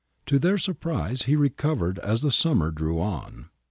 ^ To their surprise he recovered as the summer drew on.